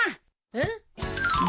えっ？